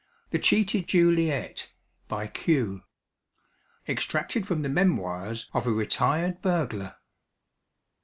THE CHEATED JULIET. BY Q. _Extracted from the Memoirs of a Retired Burglar.